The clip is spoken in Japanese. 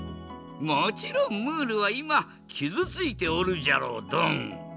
もちろんムールはいまきずついておるじゃろうドン。